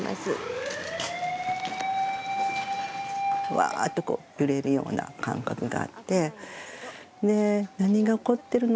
わーっとこう揺れるような感覚があって何が起こってるの！